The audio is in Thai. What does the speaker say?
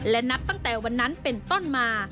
และนับตั้งแต่วันนั้นเป็นต้นมา